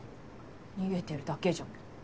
逃げてるだけじゃん。